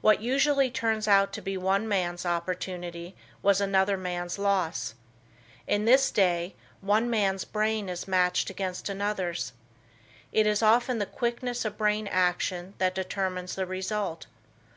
What usually turns out to be one man's opportunity, was another man's loss. In this day one man's brain is matched against another's. It is often the quickness of brain action that determines the result.